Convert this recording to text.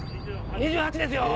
２８ですよ！